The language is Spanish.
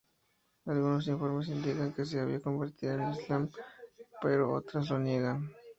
Algunos informes indican que se había convertido al islam, pero otras lo niegan.